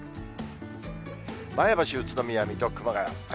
前橋、宇都宮、水戸、熊谷。